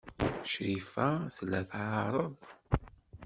Crifa tella tɛerreḍ.